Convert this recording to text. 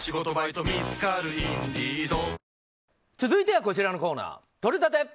続いてはこちらのコーナーとれたて！